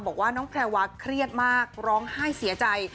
บอกว่าน้องแพรวาเครียดมากร้องไห้เสียใจ